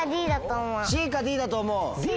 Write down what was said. ＣかＤだと思う？